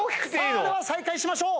では再開しましょう。